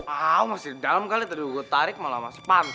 auu masih dalam kali tadi gue tarik malah masih pancing dia